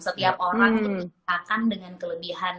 setiap orang untuk dikatakan dengan kelebihan